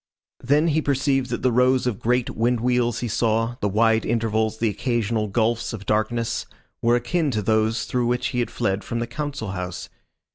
Then he perceived that the rows of great wind wheels he saw, the wide intervals, the occasional gulfs of darkness, were akin to those through which he had fled from the Council House.